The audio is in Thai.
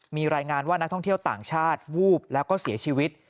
มีรายงานว่านักท่องเที่ยวต่างชาติวูบแล้วก็เสียชีวิต